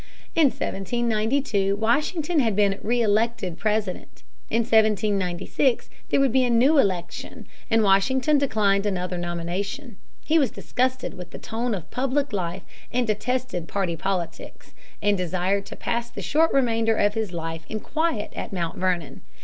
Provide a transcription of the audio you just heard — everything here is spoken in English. ] 217. Washington's Farewell Address. In 1792 Washington had been reëlected President. In 1796 there would be a new election, and Washington declined another nomination. He was disgusted with the tone of public life and detested party politics, and desired to pass the short remainder of his life in quiet at Mt. Vernon.